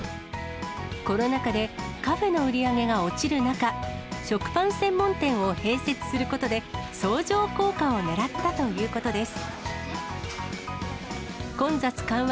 コロナ禍でカフェの売り上げが落ちる中、食パン専門店を併設することで、相乗効果をねらったということです。